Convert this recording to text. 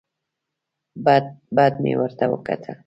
بد بد مې ورته وکتل.